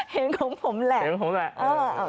เห็นของผมแหละ